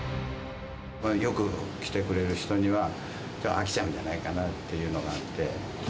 よく来てくれる人には、飽きちゃうんじゃないかなっていうのがあって。